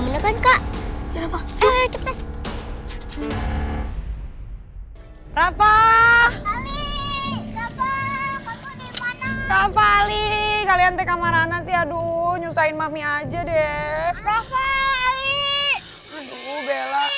rafa rafa rafa rafa rafa ali kalian teka marah nasi aduh nyusahin mami aja deh